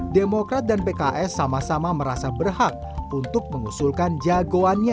demokrat dan pks sama sama merasa berhak untuk mengusulkan jagoannya